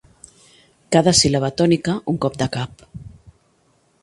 Cada síl·laba tònica un cop de cap.